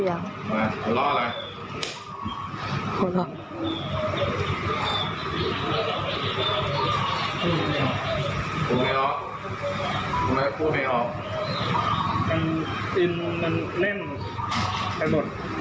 อื้อมันแน่นแน่นหมด